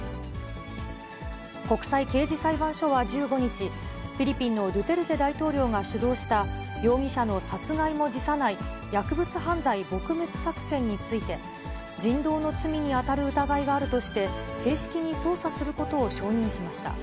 国際刑事裁判所は１５日、フィリピンのドゥテルテ大統領が主導した、容疑者の殺害も辞さない、薬物犯罪撲滅作戦について、人道の罪に当たる疑いがあるとして、正式に捜査することを承認しました。